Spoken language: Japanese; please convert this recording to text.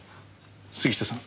杉下さん